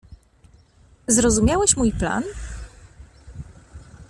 "Zrozumiałeś mój plan?"